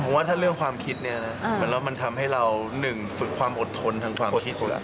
ว่าถ้าเรื่องความคิดเนี่ยนะมันทำให้เราหนึ่งฝึกความอดทนทางความคิด